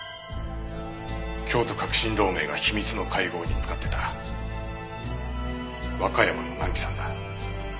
京都革新同盟が秘密の会合に使ってた和歌山の南紀山だ。